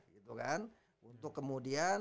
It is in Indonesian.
gitu kan untuk kemudian